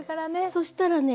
そしたらね